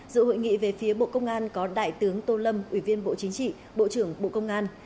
dự hội nghị về phía bộ công an có đại tướng tô lâm ủy viên bộ chính trị bộ trưởng bộ công an